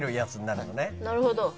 なるほど。